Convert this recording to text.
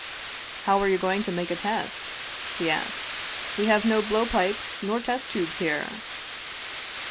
" How are you going to make a test ?" he asked. " We have no blow pipes nor test tubes here